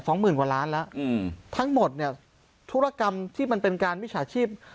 หมื่นกว่าล้านแล้วอืมทั้งหมดเนี้ยธุรกรรมที่มันเป็นการวิชาชีพ